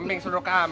kameng suruh kameng